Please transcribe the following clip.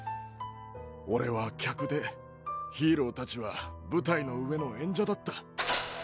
俺は「客」でヒーロー達は舞台の上の「演者」だった。